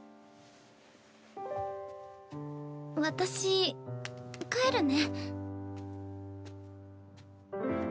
私帰るね。